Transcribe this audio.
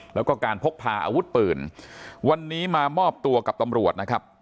แล้วก็การพกพาอาวุธปืนวันนี้มามอบตัวกับตำรวจนะครับ